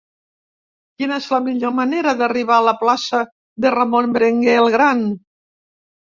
Quina és la millor manera d'arribar a la plaça de Ramon Berenguer el Gran?